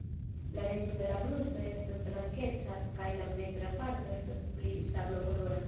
La resto de la brusto estas blankeca kaj la ventra parto estas pli sablokolora.